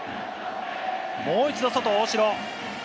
もう一度、外、大城。